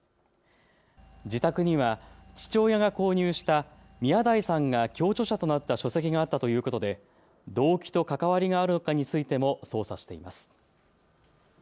自宅には父親が購入した宮台さんが共著者となった書籍があったということで動機と関わりがあるのかについても捜査しています。